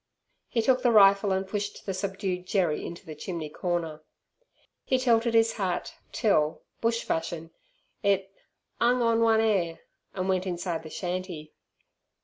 He took the rifle and pushed the subdued Jerry into the chimney corner. He tilted his hat, till, bush fashion, it "'ung on one 'air", and went inside the shanty.